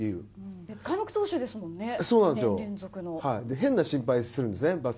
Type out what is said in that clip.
変な心配するんですね。